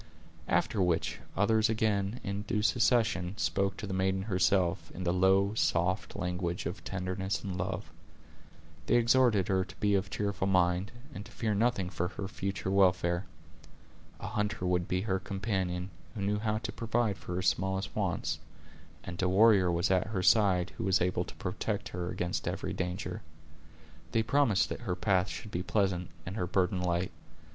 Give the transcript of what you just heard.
After which, others again, in due succession, spoke to the maiden herself, in the low, soft language of tenderness and love. They exhorted her to be of cheerful mind, and to fear nothing for her future welfare. A hunter would be her companion, who knew how to provide for her smallest wants; and a warrior was at her side who was able to protect he against every danger. They promised that her path should be pleasant, and her burden light.